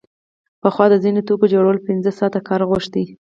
پخوا د ځینو توکو جوړول پنځه ساعته کار غوښت